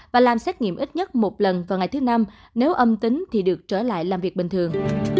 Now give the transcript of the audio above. và làm xét nghiệm ít nhất một lần vào ngày thứ năm nếu âm tính thì được trở lại làm việc bình thường